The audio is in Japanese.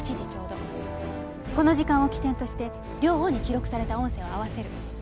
この時間を起点として両方に記録された音声を合わせる。